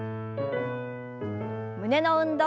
胸の運動。